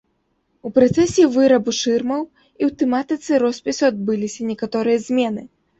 У працэсе вырабу шырмаў і ў тэматыцы роспісу адбыліся некаторыя змены.